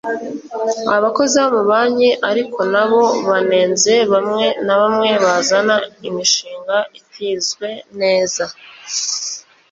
Abakozi b’amabanki ariko nabo banenze bamwe na bamwe bazana imishinga itizwe neza